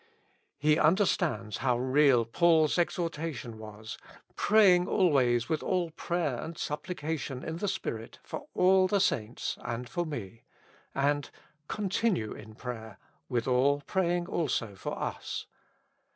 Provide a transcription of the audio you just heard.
He understands how real Paul's exhortation was, praying always with all prayer and supplication in the Spirit for all the saints and forme," and "continue in prayer, withal praying also for us."